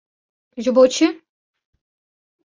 Ji bo çi?